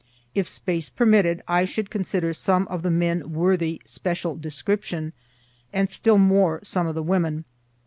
If space permitted, I should consider some of the men worthy special description; and still more some of the women.